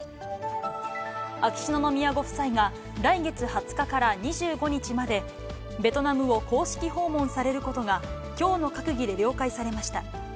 秋篠宮ご夫妻が来月２０日から２５日まで、ベトナムを公式訪問されることが、きょうの閣議で了解されました。